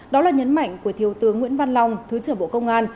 đó là nhấn mạnh của thiếu tướng nguyễn văn long thứ trưởng bộ công an